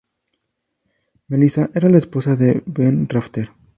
Melissa era la esposa de Ben Rafter.